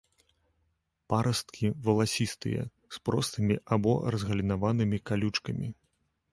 Парасткі валасістыя, з простымі або разгалінаванымі калючкамі.